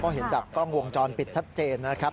เพราะเห็นจากกล้องวงจรปิดชัดเจนนะครับ